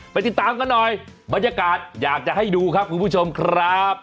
ติดตามกันหน่อยบรรยากาศอยากจะให้ดูครับคุณผู้ชมครับ